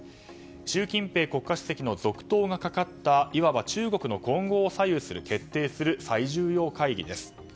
習近平国家主席の続投がかかったいわば中国の今後を左右する最重要会議です。